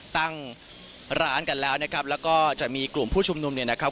ตั้งร้านกันแล้วนะครับแล้วก็จะมีกลุ่มผู้ชุมนุมเนี่ยนะครับ